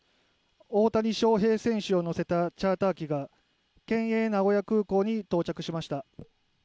大谷翔平選手を乗せたチャーター機が県営名古屋空港に到着しました。